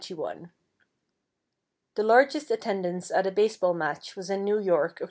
The largest attendance at a baseball match was in New York, Oct.